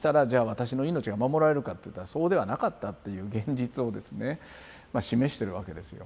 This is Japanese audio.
私の命が守られるかっていったらそうではなかったっていう現実をですね示してるわけですよ。